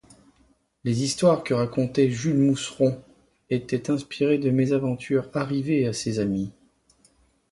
Les histoires que racontait Jules Mousseron étaient inspirées de mésaventures arrivées à des amis.